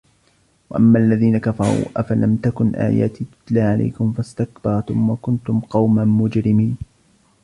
وأما الذين كفروا أفلم تكن آياتي تتلى عليكم فاستكبرتم وكنتم قوما مجرمين